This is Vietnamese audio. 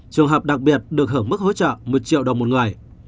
trường hợp đặc biệt được hưởng mức hỗ trợ một triệu đồng một người